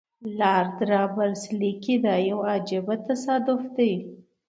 لارډ رابرټس لیکي دا یو عجیب تصادف دی.